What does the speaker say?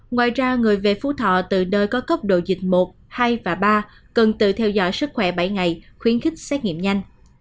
ngoài ra người về phú thọ từ nơi có cấp độ dịch một hai và ba cần tự theo dõi sức khỏe bảy ngày khuyến khích xét nghiệm nhanh